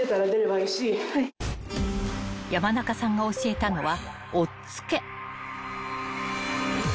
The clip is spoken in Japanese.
［山中さんが教えたのは］